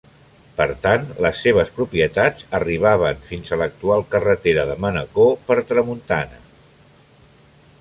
Per tant, les seves propietats arribaven fins a l'actual carretera de Manacor, per tramuntana.